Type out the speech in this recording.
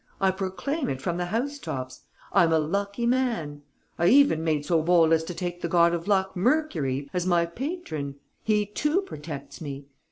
I proclaim it from the house tops: 'I'm a lucky man!' I even made so bold as to take the god of luck, Mercury, as my patron! He too protects me.